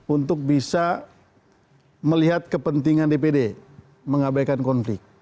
untuk bisa melihat kepentingan dpd mengabaikan konflik